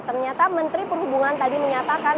ternyata menteri perhubungan tadi menyatakan